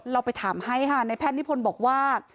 เราไปถามให้ค่ะในแพทย์นิพนธ์บอกว่า